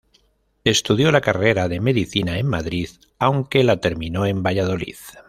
Estudió la carrera de medicina en Madrid, aunque la terminó en Valladolid.